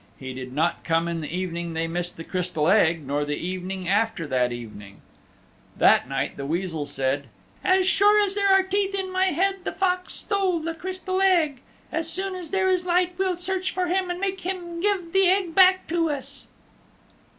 He did not come in the evening they missed the Crystal Egg nor the evening after that evening. That night the Weasel said, "As sure as there are teeth in my head the Fox stole the Crystal Egg. As soon as there is light we'll search for him and make him give the Egg back to us."